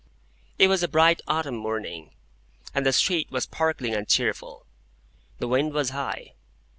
It was a bright autumn morning, and the street was sparkling and cheerful. The wind was high.